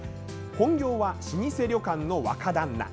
本業は老舗旅館の若旦那。